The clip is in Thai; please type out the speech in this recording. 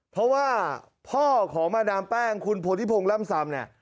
เพราะว่าพ่อของมาดามแป้งคุณโพธิพงศ์ล่ำซำเนี่ย